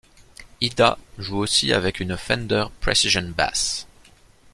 Ida joue aussi avec une Fender Precision Bass.